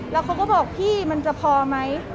แล้วเขาก็บอกพี่มันจะพอไหม